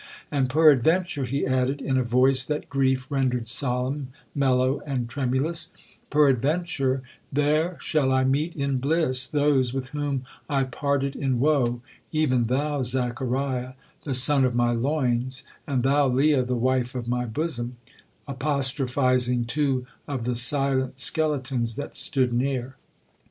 And peradventure,' he added, in a voice that grief rendered solemn, mellow, and tremulous, 'peradventure there shall I meet in bliss, those with whom I parted in woe—even thou, Zachariah, the son of my loins, and thou, Leah, the wife of my bosom;' apostrophizing two of the silent skeletons that stood near.